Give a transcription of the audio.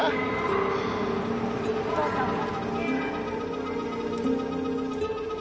お父さんも。